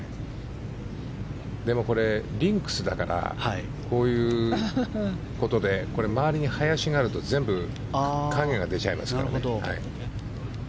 でも、これ、リンクスだからこういうことでこれ、周りに林があると全部、影が出ちゃいますからね。